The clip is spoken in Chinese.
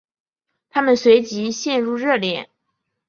他们随即陷入热恋。